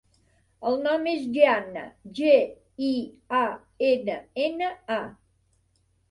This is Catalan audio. El nom és Gianna: ge, i, a, ena, ena, a.